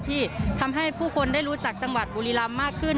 ที่ทำให้ผู้คนได้รู้จักบุรีรัมมากขึ้น